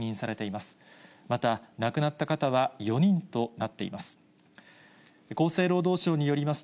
また、亡くなった方は４人となっています。